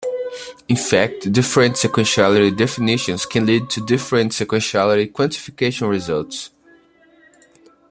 In fact, different sequentiality definitions can lead to different sequentiality quantification results.